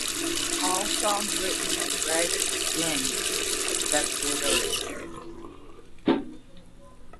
All songs written by Greg Ginn, except where noted.